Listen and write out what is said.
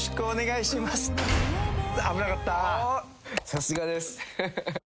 さすがです。